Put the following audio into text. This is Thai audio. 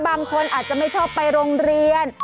บางคนอาจจะไม่ชอบไปโรงเรียน